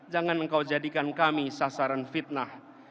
jangan engkau jadikan kami sasaran fitnah